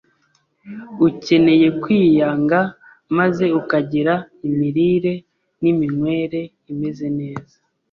ukeneye kwiyanga, maze ukagira imirire n’iminywere imeze neza